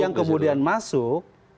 yang kemudian masuk